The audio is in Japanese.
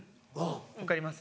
分かります？